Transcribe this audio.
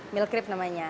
milk crepe namanya